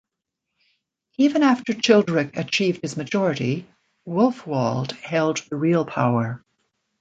Even after Childeric achieved his majority, Wulfoald held the real power.